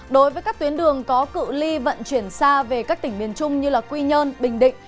đối với các tuyến đường có cự li vận chuyển xa về các tỉnh miền trung như quy nhơn bình định